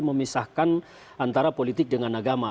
memisahkan antara politik dengan agama